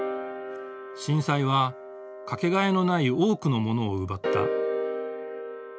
震災は掛けがえのない多くのものを奪った。